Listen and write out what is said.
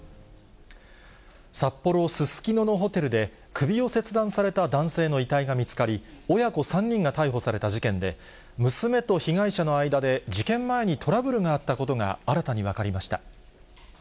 札幌・すすきののホテルで、首を切断された男性の遺体が見つかり、親子３人が逮捕された事件で、娘と被害者の間で事件前にトラブルがあったことが、新たに分かりました。